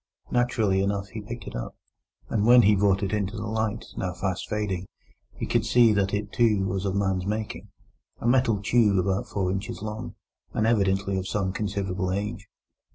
Naturally enough, he picked it up, and when he brought it into the light, now fast fading, he could see that it, too, was of man's making—a metal tube about four inches long, and evidently of some considerable age.